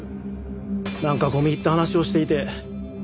なんか込み入った話をしていて。